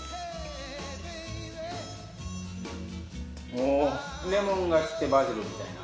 おぉレモンがきてバジルみたいな。